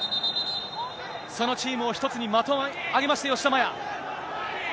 そのチームを１つにまとめ上げました、吉田麻也。